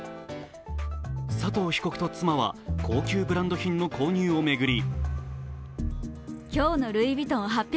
佐藤被告と妻は高級ブランド品の購入を巡り